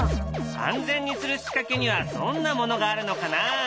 安全にする仕掛けにはどんなものがあるのかな。